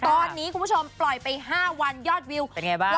ตอนนี้คุณผู้ชมปล่อยไป๕วันยอดวิวเป็นไงบ้าง